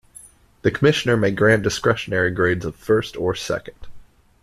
The commissioner may grant discretionary grades of first or second.